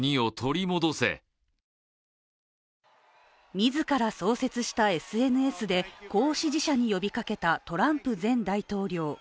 自ら創設したＳＮＳでこう支持者に呼びかけたトランプ前大統領。